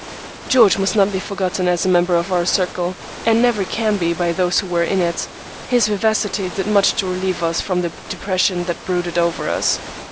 George must not be forgotten as a member of our circle, and never can be by those who were in it. His vivacity did much to relieve us from the depression that brooded over us.